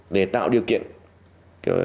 để tạo điều kiện cho khách hàng